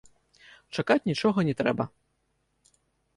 Чакаць нічога не трэба.